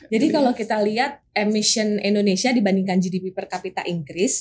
jadi kalau kita lihat emisi indonesia dibandingkan gdp per kapita inggris